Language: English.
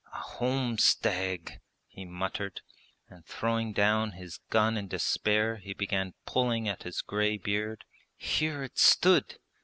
'A homed stag!' he muttered, and throwing down his gun in despair he began pulling at his grey beard, 'Here it stood.